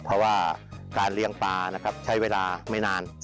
เพราะว่าการเลี้ยงปลานะครับใช้เวลาไม่นาน